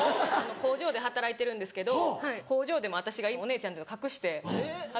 工場で働いてるんですけど工場でも私がお姉ちゃんっていうの隠して働いてて。